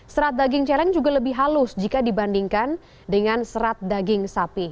serat daging celeng juga lebih halus jika dibandingkan dengan serat daging sapi